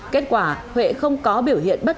kết quả huệ không có biểu hiện bất kỳ